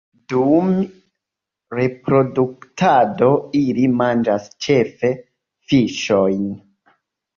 Dum reproduktado ili manĝas ĉefe fiŝojn.